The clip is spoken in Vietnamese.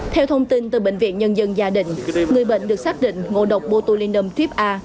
theo thông tin từ bệnh viện nhân dân gia đình người bệnh được xác định ngộ độc botulinum tuyếp a